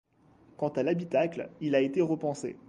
Quant à l'habitacle, il a été repensé.